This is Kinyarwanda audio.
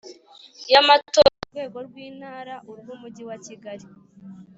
y Amatora ku rwego rw Intara urw Umujyi wa kigali